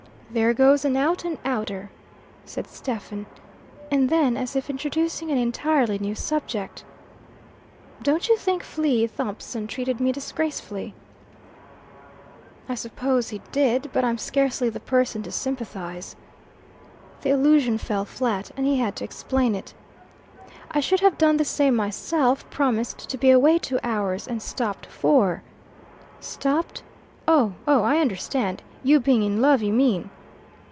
"There goes an out and outer," said Stephen; and then, as if introducing an entirely new subject "Don't you think Flea Thompson treated me disgracefully?" "I suppose he did. But I'm scarcely the person to sympathize." The allusion fell flat, and he had to explain it. "I should have done the same myself, promised to be away two hours, and stopped four." "Stopped oh oh, I understand. You being in love, you mean?"